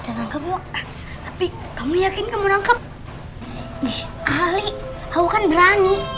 tapi kamu yakin kamu nangkep kali aku kan berani